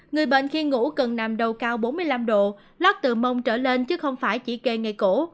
người bệnh khi ngủ cần nằm đầu cao bốn mươi năm độ lắc từ mông trở lên chứ không phải chỉ kê nghề cổ